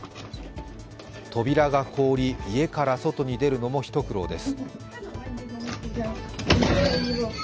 扉が凍り、家から外に出るのも一苦労です。